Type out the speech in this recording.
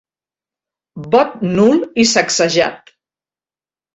Vot nul i sacsejat.